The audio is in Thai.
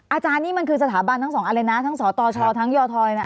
อาจารย์นี่มันคือสถาบันทั้งสองอะไรนะทั้งสตชทั้งยทเนี่ย